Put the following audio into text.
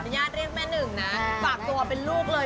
ญาติเรียกแม่หนึ่งนะฝากตัวเป็นลูกเลย